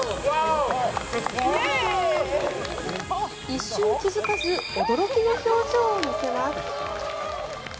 一瞬、気付かず驚きの表情を見せます。